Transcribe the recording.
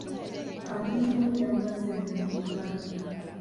Abanoonyiboobubudamu baasenze mu Uganda.